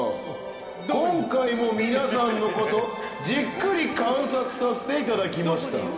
今回も皆さんのことじっくり観察させていただきました。